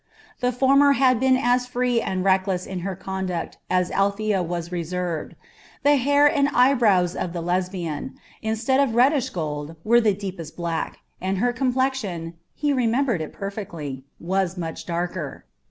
The former had been as free and reckless in her conduct as Althea was reserved. The hair and eyebrows of the Lesbian, instead of reddish gold, were the deepest black, and her complexion he remembered it perfectly was much darker.